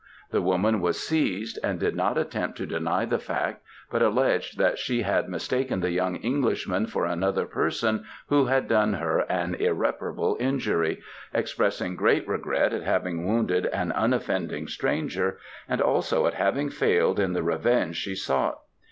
The woman was seized and did not attempt to deny the act, but alleged that she had mistaken the young Englishman for another person who had done her an irreparable injury, expressing great regret at having wounded an unoffending stranger, and also at having failed in the revenge she sought.